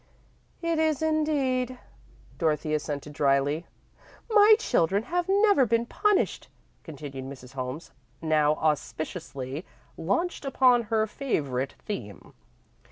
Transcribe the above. "It is indeed," Dorothy assented, dryly. "My children have never been punished," continued Mrs. Holmes, now auspiciously launched upon her favourite theme.